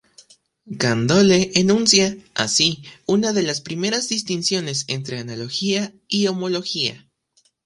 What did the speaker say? Candolle enuncia, así, una de las primeras distinciones entre analogía y homología.